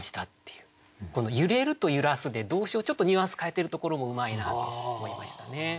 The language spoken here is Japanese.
この「ゆれる」と「ゆらす」で動詞をちょっとニュアンス変えてるところもうまいなって思いましたね。